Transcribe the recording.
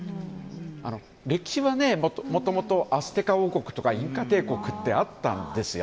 歴史はもともとアステカ王国とかインカ帝国ってあったんですよ。